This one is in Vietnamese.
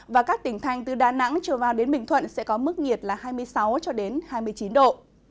và các tỉnh thành từ đà nẵng trở vào đến bình thuận sẽ có mức nhiệt là hai mươi sáu hai mươi chín độ